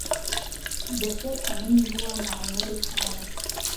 دهسهر ئهمن بووه مهعموری خانم